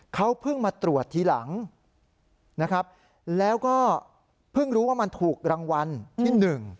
เขาเพิ่งมาตรวจทีหลังนะครับแล้วก็เพิ่งรู้ว่ามันถูกรางวัลที่๑